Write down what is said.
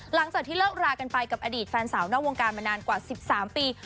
หลังจากที่เลิกรากันไปกับอดีตแฟนสาวนอกวงการมานานกว่า๑๓ปี